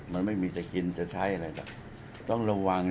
มันไม่มีจะกินจะใช้อะไรแบบต้องระวัง